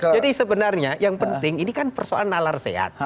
jadi sebenarnya yang penting ini kan persoalan nalar sehat